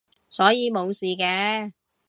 所以冇事嘅